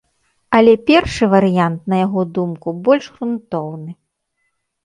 Але першы варыянт, на яго думку, больш грунтоўны.